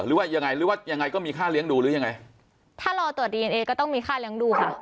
หรือว่ายังไงหรือว่ายังไงก็มีค่าเลี้ยงดูหรือยังไงถ้ารอตรวจดีเอนเอก็ต้องมีค่าเลี้ยงดูค่ะ